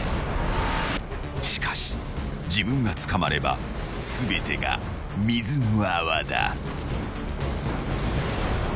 ［しかし自分が捕まれば全てが水の泡だ］